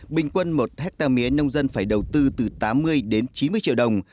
bình quân một hectare mía nông dân phải đầu tư từ tám mươi đến chín mươi triệu đồng